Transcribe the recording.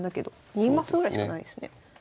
２マスぐらいしかないですね。